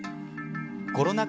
コロナ禍